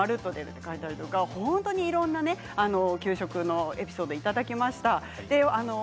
本当にいろいろな給食のエピソードをいただきました。